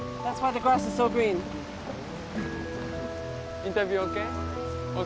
インタビューＯＫ？